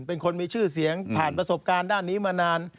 เป็นคนมีชื่อเสียงผ่านประสบการณ์ด้านนี้มานาน